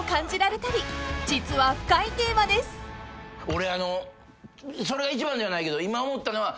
俺それが一番じゃないけど今思ったのは。